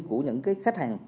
của những cái khách hàng